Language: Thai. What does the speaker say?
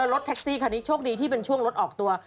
แล้วรถช่วงดีเป็นช่วงรถออกตัว